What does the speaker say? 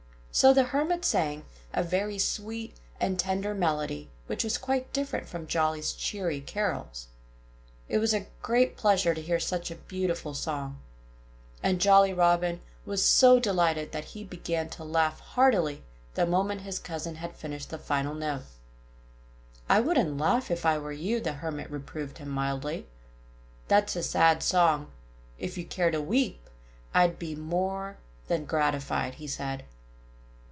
So the Hermit sang a very sweet and tender melody, which was quite different from Jolly's cheery carols. It was a great pleasure to hear such a beautiful song. And Jolly Robin was so delighted that he began to laugh heartily the moment his cousin had finished the final note. "I wouldn't laugh, if I were you," the Hermit reproved him mildly. "That's a sad song.... If you care to weep, I'd be more than gratified," he said.